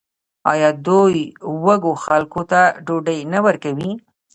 آیا دوی وږو خلکو ته ډوډۍ نه ورکوي؟